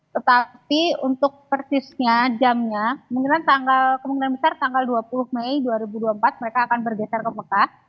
tetapi untuk persisnya jamnya kemungkinan besar tanggal dua puluh mei dua ribu dua puluh empat mereka akan bergeser ke mekah